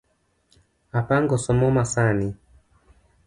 Apango somo masani